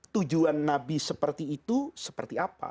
tujuan nabi seperti itu seperti apa